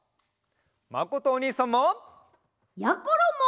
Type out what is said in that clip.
まことおにいさんも！やころも！